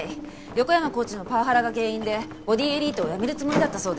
横山コーチのパワハラが原因でボディエリートを辞めるつもりだったそうです。